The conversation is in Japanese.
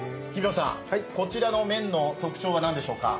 こちらの麺の特徴は何でしょうか？